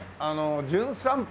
『じゅん散歩』。